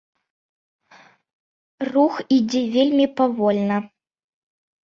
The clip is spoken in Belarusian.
Рух ідзе вельмі павольна.